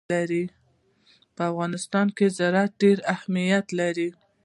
په افغانستان کې زراعت ډېر زیات اهمیت لري.